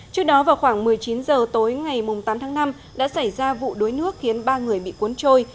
trước đó vào khoảng một mươi chín h tối ngày tám tháng năm đã xảy ra vụ đuối nước khiến ba người bị cuốn trôi